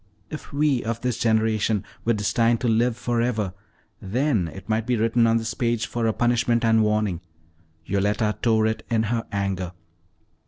If we of this generation were destined to live for ever, then it might be written on this page for a punishment and warning:" Yoletta tore it in her anger.